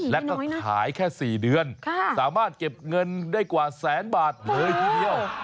แล้วก็ขายแค่๔เดือนสามารถเก็บเงินได้กว่าแสนบาทเลยทีเดียว